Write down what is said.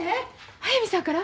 速水さんから？